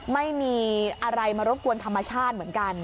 ไม่มีอะไรมารบกวนธรรมชาติเหมือนกัน